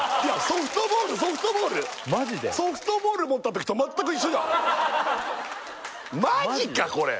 ソフトボール持ったときと全く一緒マジかこれ！